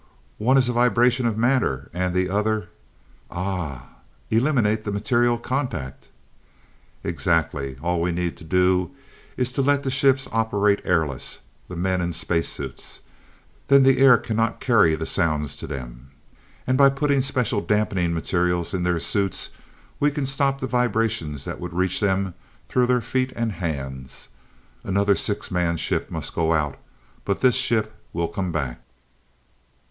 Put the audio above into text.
"One is a vibration of matter and the ah eliminate the material contact!" "Exactly! All we need to do is to let the ships operate airless, the men in space suits. Then the air cannot carry the sounds to them. And by putting special damping materials in their suits, we can stop the vibrations that would reach them through their feet and hands. Another six man ship must go out but this ship will come back!"